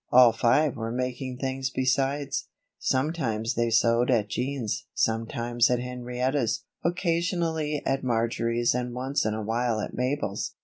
All five were making things besides. Sometimes they sewed at Jean's, sometimes at Henrietta's, occasionally at Marjory's and once in a while at Mabel's.